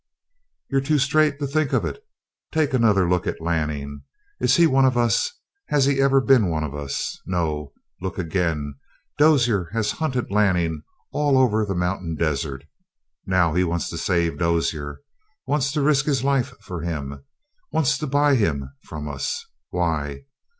"You're too straight to think of it. Take another look at Lanning. Is he one of us? Has he ever been one of us? No! Look again! Dozier has hunted Lanning all over the mountain desert. Now he wants to save Dozier. Wants to risk his life for him. Wants to buy him from us! Why?